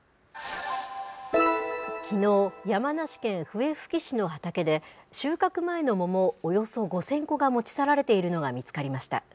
きのう、山梨県笛吹市の畑で、収穫前の桃、およそ５０００個が持ち去られているのが見つかりました。